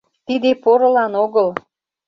Тиде порылан огыл!